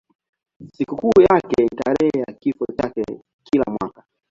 Sikukuu yake ni tarehe ya kifo chake kila mwaka.